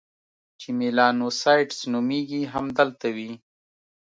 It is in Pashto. چې میلانوسایټس نومیږي، همدلته وي.